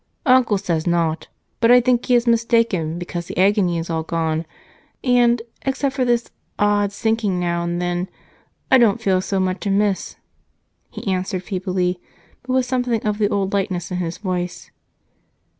"Uncle says not, but I think he is mistaken, because the agony is all gone, and except for this odd sinking now and then, I don't feel so much amiss," he answered feebly but with something of the old lightness in his voice.